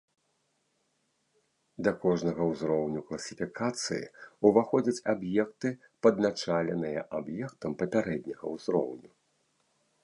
Да кожнага ўзроўню класіфікацыі ўваходзяць аб'екты, падначаленыя аб'ектам папярэдняга ўзроўню.